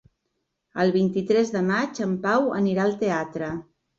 El vint-i-tres de maig en Pau anirà al teatre.